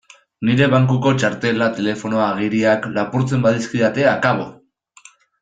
Nire bankuko txartela, telefonoa, agiriak... lapurtzen badizkidate, akabo!